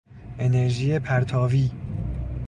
انرژی پرتاوی